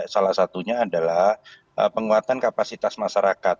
salah satunya adalah penguatan kapasitas masyarakat